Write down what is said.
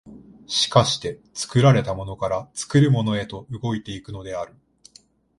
而して作られたものから作るものへと動いて行くのである。